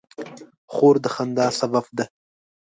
خور د خندا سبب ده.